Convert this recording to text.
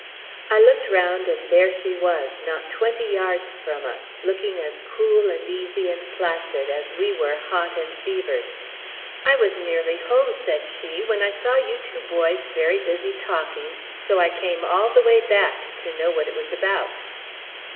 I looked round, and there she was, not twenty yards from us, looking as cool and easy and placid as we were hot and fevered. "I was nearly home," said she, "when I saw you two boys very busy talking, so I came all the way back to know what it was about."